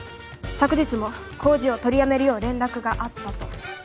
昨日も工事を取りやめるよう連絡があったと。